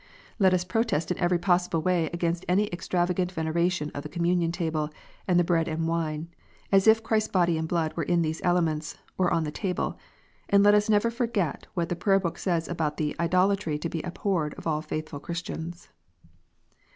Let us protest in every possible way against any extravagant veneration of the Communion Table and the bread and wine, as if Christ s body and blood were in these elements, or on the Table ; and let us never forget what the Prayer book says about " idolatry to be abhorred of all faithful Christians."